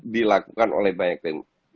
dilakukan oleh banyak tim